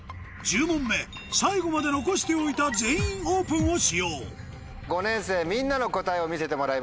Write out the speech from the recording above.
１０問目最後まで残しておいた「全員オープン」を使用５年生みんなの答えを見せてもらいましょう。